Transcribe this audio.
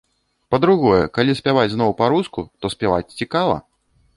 Па-другое, калі спяваць зноў па-руску, то спяваць цікава.